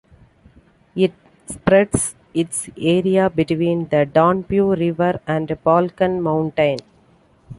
It spreads its area between the Danube river and Balkan mountain.